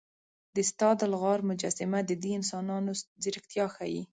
د ستادل غار مجسمه د دې انسانانو ځیرکتیا ښيي.